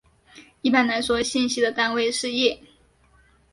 一般来说信息的单位是页。